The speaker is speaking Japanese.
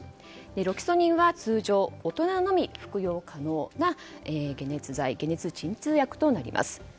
ロキソニンは通常、大人のみ服用可能な解熱剤、解熱鎮痛薬となります。